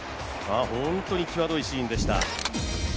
本当に際どいシーンでした。